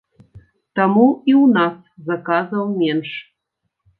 Таму і ў нас заказаў менш.